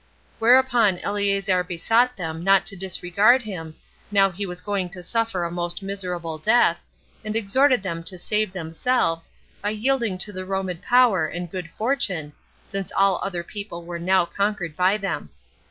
Whereupon Eleazar besought them not to disregard him, now he was going to suffer a most miserable death, and exhorted them to save themselves, by yielding to the Roman power and good fortune, since all other people were now conquered by them.